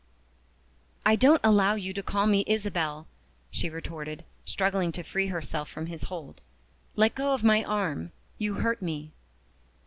"I don't allow you to call me Isabel!" she retorted, struggling to free herself from his hold. "Let go of my arm. You hurt me."